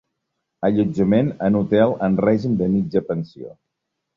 Allotjament en hotel en règim de mitja pensió.